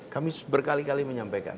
kami berkali kali menyampaikan